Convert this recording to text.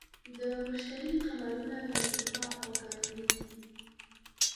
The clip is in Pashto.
د مشتری قمرونه یوروپا او ګانیمید دي.